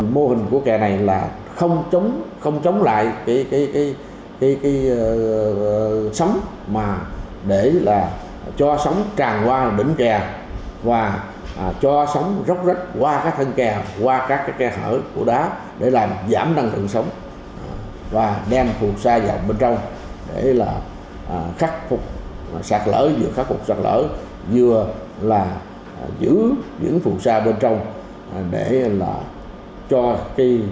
mô hình của kè này là không chống lại cái sống mà để là cho sống tràn qua đỉnh kè và cho sống rốc rách qua các thân kè qua các cái kè hở của đá để làm giảm năng lượng sống và đem phù sa vào bên trong để là khắc phục sạt lỡ vừa khắc phục sạt lỡ vừa là giữ những phù sa bên trong để là đem phù sa vào bên trong